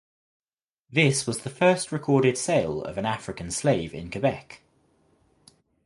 This was the first recorded sale of an African slave in Quebec.